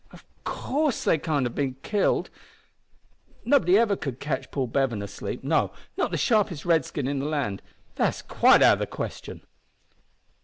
Of course they can't have killed 'em. Nobody ever could catch Paul Bevan asleep no, not the sharpest redskin in the land. That's quite out o' the question."